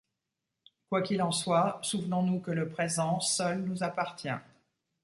Quoi qu'il en soit, souvenons-nous que le présent seul nous appartient.